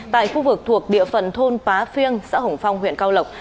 tại khu vực thuộc địa phận thôn pá phiêng xã hồng phong huyện cao lộc